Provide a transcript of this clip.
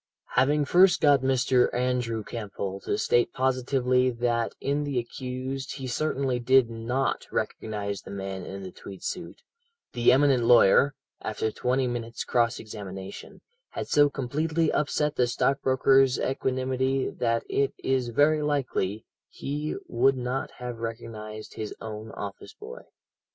"Having first got Mr. Andrew Campbell to state positively that in the accused he certainly did not recognize the man in the tweed suit, the eminent lawyer, after twenty minutes' cross examination, had so completely upset the stockbroker's equanimity that it is very likely he would not have recognized his own office boy.